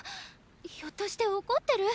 ひょっとして怒ってる？